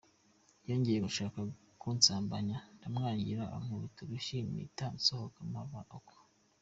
Yongeye gushaka kunsambanya ndamwangira, ankubita urushyi mpita nsohoka, mpava uko”.